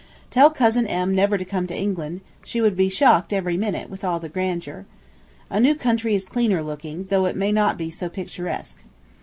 Tell Cousin M. never to come to England, she would be shocked every minute, with all the grandeur. A new country is cleaner looking, though it may not be so picturesque.